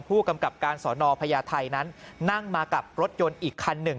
ผู้กำกับการสอนอพญาไทยนั้นนั่งมากับรถยนต์อีกคันหนึ่ง